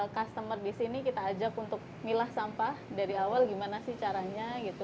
customer di sini kita ajak untuk milah sampah dari awal gimana sih caranya gitu